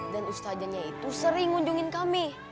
dan ustazahnya itu sering ngunjungin kami